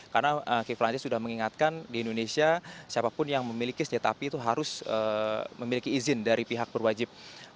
karena kiflan zen sudah mengingatkan di indonesia siapapun yang memiliki senjata api itu harus memiliki izin dari pihak berwajib